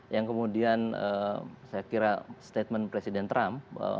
yang kemudian saya kira statement presiden trump